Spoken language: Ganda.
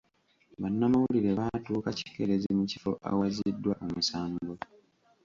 Bannamawulire baatuuka kikeerezi mu kifo awazziddwa omusango.